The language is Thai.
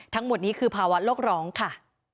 ทั้งหมดนี้คือภาวะโลกร้องค่ะ